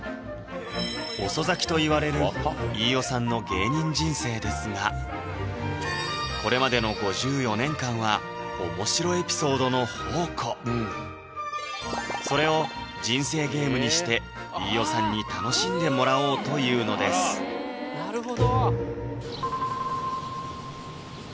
遅咲きといわれる飯尾さんの芸人人生ですがこれまでの５４年間はそれを人生ゲームにして飯尾さんに楽しんでもらおうというのですなるほど